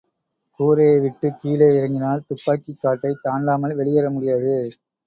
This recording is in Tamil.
கூரையை விட்டுக் கீழே இறங்கினால் துப்பாக்கிக் காட்டைத் தாண்டாமல் வெளியேற முடியாது.